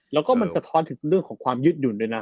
แล้วก็มันสะท้อนถึงเรื่องของความยืดหยุ่นด้วยนะ